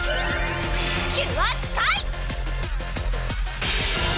キュアスカイ！